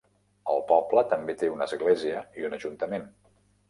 El poble també té una església i un ajuntament.